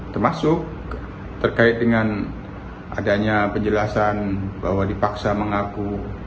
termasuk terkait dengan adanya penjelasan bahwa dipaksa mengaku